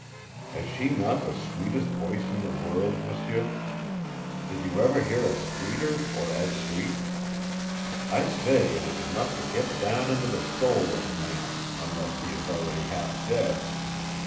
"Has she not the sweetest voice in the world, m'sieu? Did you ever hear a sweeter or as sweet? I say it is enough to get down into the soul of a man, unless he is already half dead!